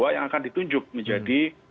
yang akan ditunjuk menjadi